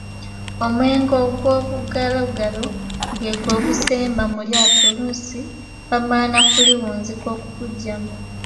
Omwenge ogwobugalogalo gwegwo ogusemba mu lyato oluusi bamala na kuliwunzika okuguggyamu.